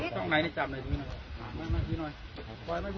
ช่องไหนอย่าจำ